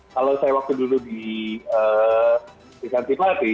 kalau saya waktu dulu di sinteyong